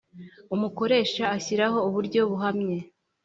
Umukoresha ashyiraho uburyo buhamye